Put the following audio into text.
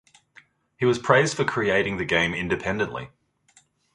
He was praised for creating the game independently.